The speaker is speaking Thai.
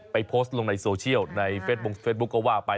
โพสต์ลงในโซเชียลในเฟสบงเฟซบุ๊คก็ว่าไป